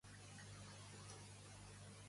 Què ocorria cada dia a l'església?